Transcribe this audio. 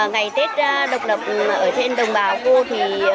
ngày tết độc lập ở trên đồng bào vua